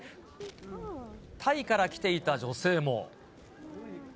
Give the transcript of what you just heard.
タイから来ていた女性も。